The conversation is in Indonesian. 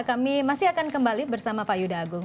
kami masih akan kembali bersama pak yuda agung